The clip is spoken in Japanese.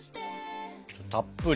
たっぷり。